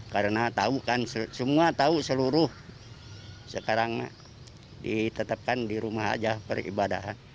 karena tau kan semua tau seluruh sekarang ditetapkan di rumah aja peribadahan